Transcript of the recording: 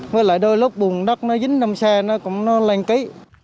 với lại đôi lúc bùng đất nó dính nằm xe nó cũng nó lành ký